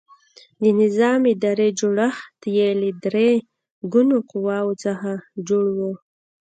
د نظام اداري جوړښت یې له درې ګونو قواوو څخه جوړ و.